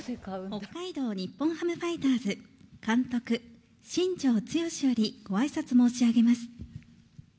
北海道日本ハムファイターズ監督、新庄剛志よりごあいさつ申し上げます。